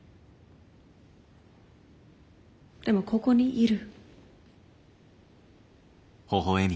でもここにいる。